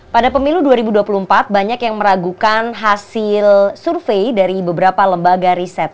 pada pemilu dua ribu dua puluh empat banyak yang meragukan hasil survei dari beberapa lembaga riset